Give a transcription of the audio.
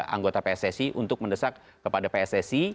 anggota pssc untuk mendesak kepada pssc